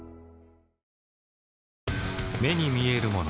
目に見えるもの